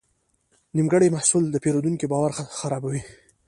نیمګړی محصول د پیرودونکي باور خرابوي.